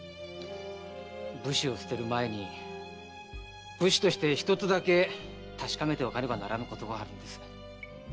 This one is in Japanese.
武士を捨てる前に武士として一つだけ確かめておかねばならぬことがあるんです。